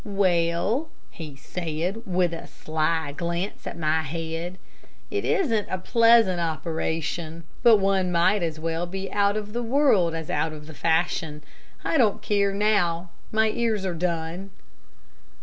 "Well," he said, with a sly glance at my head, "it isn't a pleasant operation; but one might as well be out of the world as out of the fashion. I don't care, now my ears are done."